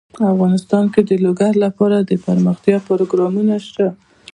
افغانستان کې د لوگر لپاره دپرمختیا پروګرامونه شته.